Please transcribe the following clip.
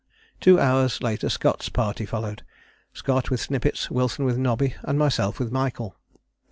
Two hours later Scott's party followed; Scott with Snippets, Wilson with Nobby, and myself with Michael.